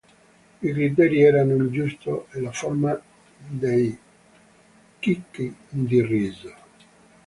I criteri erano il gusto e la forma dei chicchi di riso.